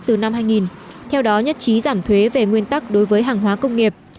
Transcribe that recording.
từ năm hai nghìn theo đó nhất trí giảm thuế về nguyên tắc đối với hàng hóa công nghiệp